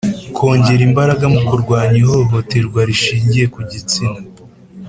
Kongera imbaraga mu kurwanya ihohoterwa rishingiye ku gitsina